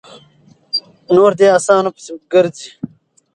نور دې اسانو پسې ګرځي؛